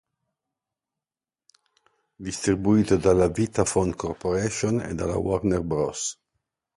Distribuito dalla Vitaphone Corporation e dalla Warner Bros.